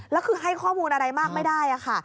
แล้วคือให้ข้อมูลอะไรมากไม่ได้ค่ะ